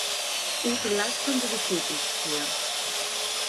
ή τουλάχιστον τη δική του ησυχία.